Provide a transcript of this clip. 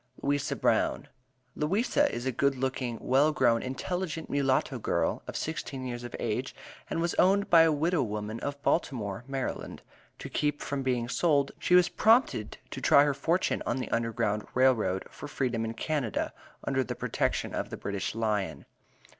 LOUISA BROWN. Louisa is a good looking, well grown, intelligent mulatto girl of sixteen years of age, and was owned by a widow woman of Baltimore, Md. To keep from being sold, she was prompted to try her fortune on the U.G.R.R., for Freedom in Canada, under the protection of the British Lion.